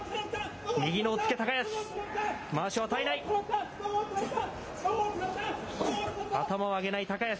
右の押っつけ、高安。